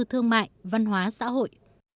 thương mại văn hóa xã hội